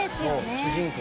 主人公。